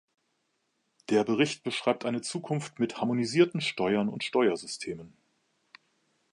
Der Bericht beschreibt eine Zukunft mit harmonisierten Steuern und Steuersystemen.